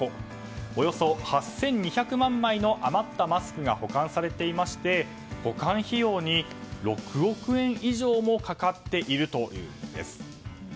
およそ８２００万枚の余ったマスクが保管されていまして保管費用に６億円以上もかかっているというんです。